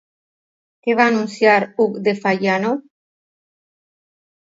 Què va anunciar Hug de Fagiano?